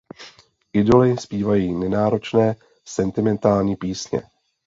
Idoly zpívají nenáročné sentimentální písně.